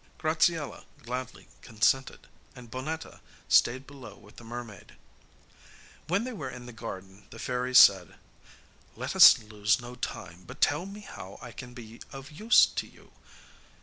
Graziella gladly consented, and Bonnetta stayed below with the mermaid. When they were in the garden the fairy said: 'Let us lose no time, but tell me how I can be of use to you.